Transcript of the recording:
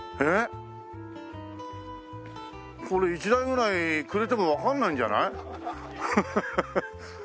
これ１台ぐらいくれてもわかんないんじゃない？